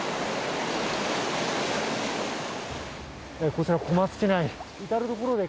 こちら小松市内。